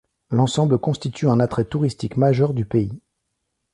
L'ensemble constitue un attrait touristique majeur du pays.